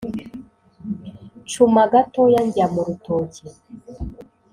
ncuma gatoya njya mu rutoki